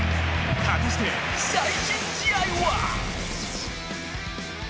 果たして最新試合は？